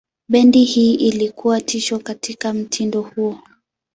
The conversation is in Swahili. Bendi hii ilikuwa tishio katika mtindo huo.